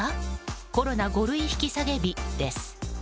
コロナ五類引き下げ日です。